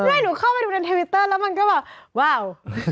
ไม่หนูเข้าไปดูในทวิตเตอร์แล้วมันก็แบบว้าว